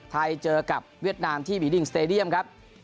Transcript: ไทยเจอกับเวียดนามที่บีดิงสเตดียมครับ